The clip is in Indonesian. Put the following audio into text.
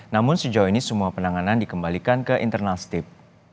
namun sejauh ini semua penanganan dikembalikan ke internal step